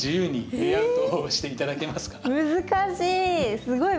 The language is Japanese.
難しい。